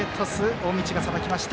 大道がさばきました。